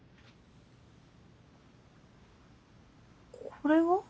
これは？